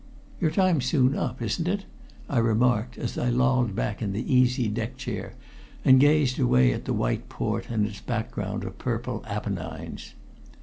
"Your time's soon up, isn't it?" I remarked, as I lolled back in the easy deck chair, and gazed away at the white port and its background of purple Apennines.